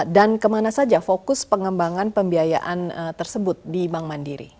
dan kemana saja fokus pengembangan pembiayaan tersebut di bank mandiri